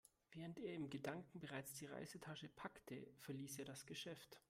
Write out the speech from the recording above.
Während er in Gedanken bereits die Reisetasche packte, verließ er das Geschäft.